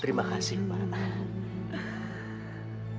terima kasih pak